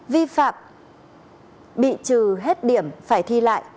vi phạm bị trừ hết điểm phải thi lại